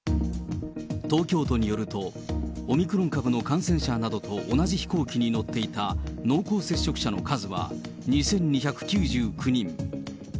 東京都によると、オミクロン株の感染者などと同じ飛行機に乗っていた濃厚接触者の数は２２９９人。